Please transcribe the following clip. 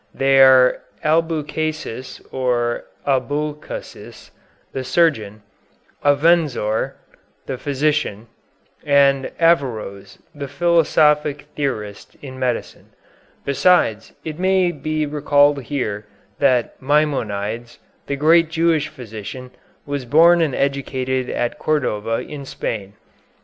They are Albucasis or Abulcasis, the surgeon; Avenzoar, the physician, and Averroës, the philosophic theorist in medicine. Besides, it may be recalled here that Maimonides, the great Jewish physician, was born and educated at Cordova, in Spain.